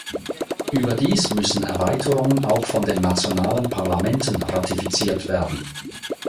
Überdies müssen Erweiterungen auch von den nationalen Parlamenten ratifiziert werden.